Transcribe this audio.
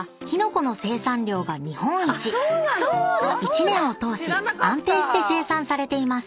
［一年を通し安定して生産されています］